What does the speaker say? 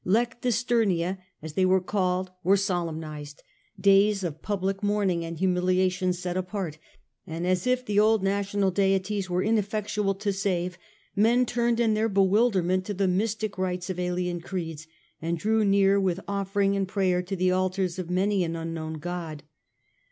Lectisternia^ as they were called, were solemnised ; days of public mourning and humiliation set apart ; and as if the old national deities were ineffectual to save, men turned in their bewilderment to the mystic rites of alien creeds, and drew near with offering and prayer to the altars of many an unknown god.